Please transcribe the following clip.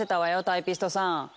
タイピストさん。